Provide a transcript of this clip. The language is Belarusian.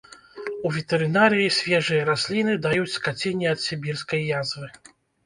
У ветэрынарыі свежыя расліны даюць скаціне ад сібірскай язвы.